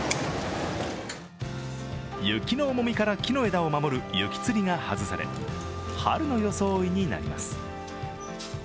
雪の重みから木の枝を守る雪つりが外され、春の装いになります。